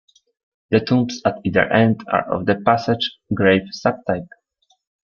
The tombs at either end are of the passage grave sub-type.